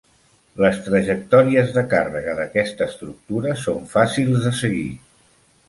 Les trajectòries de càrrega d'aquesta estructura són fàcils de seguir.